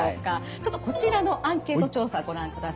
ちょっとこちらのアンケート調査ご覧ください。